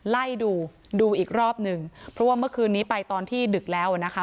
ไล่ดูดูอีกรอบหนึ่งเพราะว่าเมื่อคืนนี้ไปตอนที่ดึกแล้วนะคะ